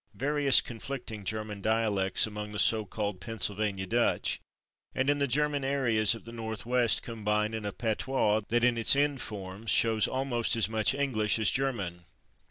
Various conflicting German dialects, among the so called Pennsylvania Dutch and in the German areas of the Northwest, combine in a patois that, in its end forms, shows almost as much English as German.